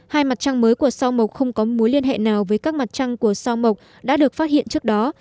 hai mặt trăng mới của sao mộc không có mối liên hệ nào với các mặt trăng của sao mộc đã được phát hiện trước đó